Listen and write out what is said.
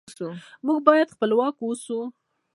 موږ باید خپلواک اوسو.